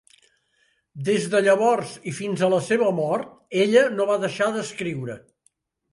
Des de llavors i fins a la seva mort, ella no va deixar d'escriure.